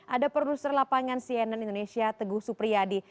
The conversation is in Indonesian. ada produser lapangan cnn indonesia teguh supriyadi